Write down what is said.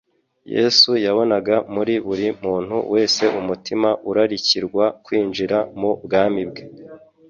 Yesu yabonaga muri buri muntu wese umutima urarikirwa kwinjira mu bwami bwe.